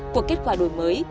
cuộc kết quả đổi mới